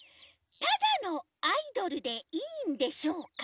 ただのアイドルでいいんでしょうか？